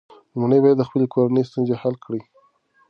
لومړی باید د خپلې کورنۍ ستونزې حل کړې.